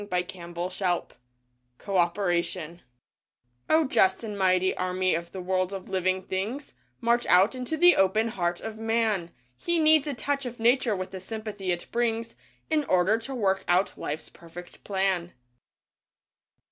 r 141 1 DAY DREAMS CO OPERATION O Just and Mighty Army of the World of Living Things March on into the open heart of Man, He needs a touch of nature with the sympathy it brings In order to work out Life's Perfect Plan.